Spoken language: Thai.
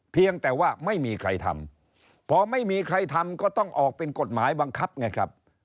เพียงแต่ว่าไม่มีใครทำพอไม่มีใครทำก็ต้องออกเป็นกฎหมายบังคับไงครับ